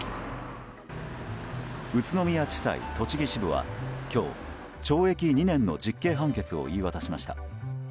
宇都宮地裁栃木支部は今日、懲役２年の実刑判決を言い渡しました。